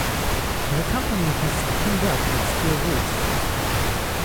The company has teamed up with SteelRoots.